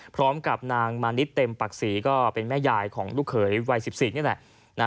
พร้อมกับนางมานิดเต็มปักศรีก็เป็นแม่ยายของลูกเขยวัย๑๔นี่แหละ